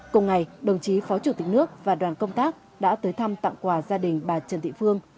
cùng ngày đồng chí phó chủ tịch nước và đoàn công tác đã tới thăm tặng quà gia đình bà trần thị phương